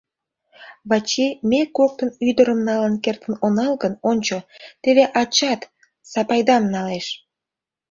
Вачи, ме коктын ӱдырым налын кертын онал гын, ончо: теве ачат Сапайдам налеш...